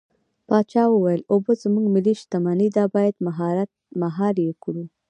پاچا وويل: اوبه زموږ ملي شتمني ده بايد مهار يې کړو.